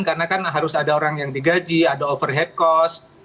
karena kan harus ada orang yang digaji ada overhead cost